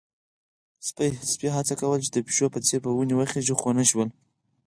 سپي هڅه کوله چې د پيشو په څېر په ونې وخيژي، خو ونه شول.